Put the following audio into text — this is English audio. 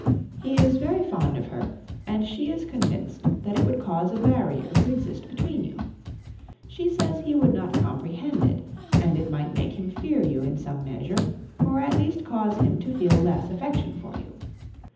He is very fond of her, and she is convinced that it would cause a barrier to exist between you. She says he would not comprehend it, and it might make him fear you in some measure, or at least cause him to feel less affection for you.